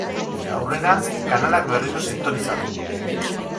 Aurrena, kanalak berriro sintonizatu.